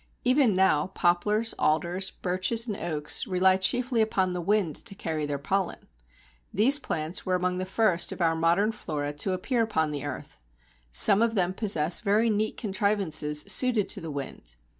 Even now poplars, alders, birches, and oaks rely chiefly upon the wind to carry their pollen. These plants were amongst the first of our modern flora to appear upon the earth. Some of them possess very neat contrivances suited to the wind.